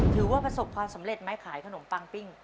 ถือว่าประสบความสำเร็จไหมขายขนมปังปิ้ง